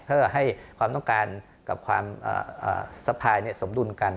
เพื่อให้ความต้องการกับความสะพายสมดุลกัน